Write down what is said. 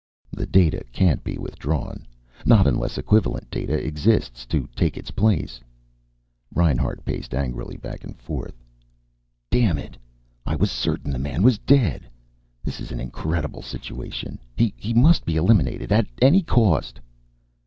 "The data can't be withdrawn! Not unless equivalent data exists to take its place." Reinhart paced angrily back and forth. "Damn it, I was certain the man was dead. This is an incredible situation. He must be eliminated at any cost."